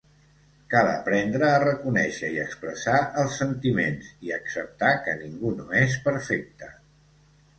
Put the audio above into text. Cal aprendre a reconèixer i expressar els sentiments, i acceptar que ningú no és perfecte.